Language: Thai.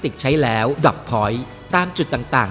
กลับพอยตามจุดต่าง